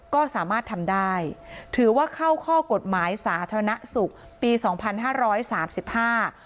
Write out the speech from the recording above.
ก็สามารถทำได้ถือว่าเข้าข้อกฎหมายสาธารณสุขปีสองพันห้าร้อยสามสิบห้า